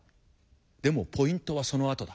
でもポイントはそのあとだ。